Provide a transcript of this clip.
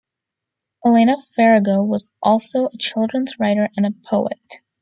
Elena Farago was also a children's writer and poet.